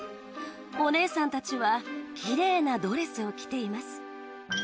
お姉さんたちはきれいなドレスを着ています。